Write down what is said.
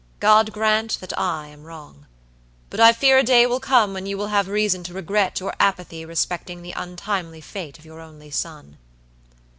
God grant that I am wrong. But I fear a day will come when you will have reason to regret your apathy respecting the untimely fate of your only son."